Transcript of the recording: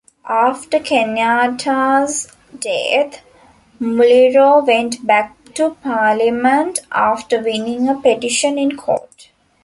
After Kenyatta's death, Muliro went back to Parliament after winning a petition in court.